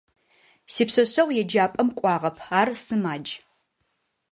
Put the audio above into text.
Сипшъэшъэгъу еджапӏэм кӏуагъэп: ар сымадж.